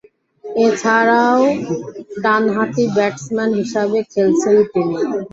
এছাড়াও, ডানহাতি ব্যাটসম্যান হিসেবে খেলছেন তিনি।